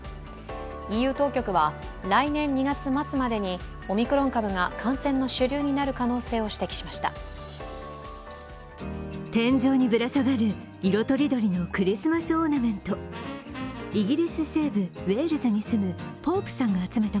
ＥＵ当局は来年２月末までにオミクロン株が感染の主流になる可能性を指摘しました。